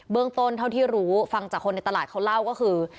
เรื่องต้นเท่าที่รู้ฟังจากคนในตลาดเขาเล่าก็คือ